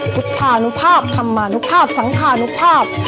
พุทธานุภาพธรรมานุภาพสังคานุภาพ